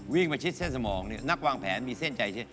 วิ่งไปชิดเส้นสมองนักวางแผนมีเส้นใจ